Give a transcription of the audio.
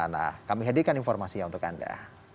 nah kami hadirkan informasinya untuk anda